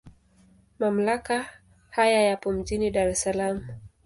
Mamlaka haya yapo mjini Dar es Salaam.